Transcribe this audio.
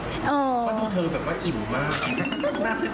เพราะดูเธอแบบว่าอิ่มมาก